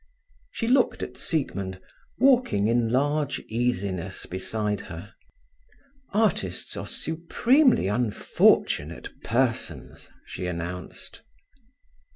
She looked at Siegmund, walking in large easiness beside her. "Artists are supremely unfortunate persons," she announced.